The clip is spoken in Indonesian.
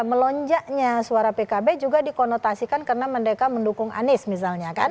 melonjaknya suara pkb juga dikonotasikan karena mendeka mendukung anies misalnya kan